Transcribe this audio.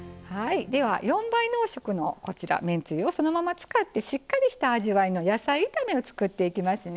では４倍濃縮のこちらめんつゆをそのまま使ってしっかりした味わいの野菜炒めを作っていきますね。